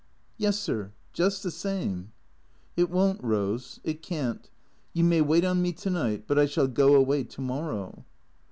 " Yes, sir. Just the same." " It won't, Eose, it can't. You may wait on me to night, but I shall go away to morrow."